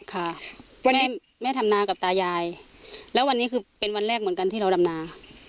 ค่ะแม่แม่ทำนากับตายายแล้ววันนี้คือเป็นวันแรกเหมือนกันที่เราดำนา